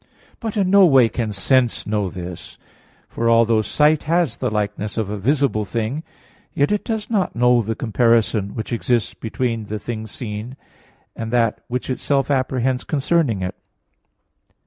But in no way can sense know this. For although sight has the likeness of a visible thing, yet it does not know the comparison which exists between the thing seen and that which itself apprehends concerning it.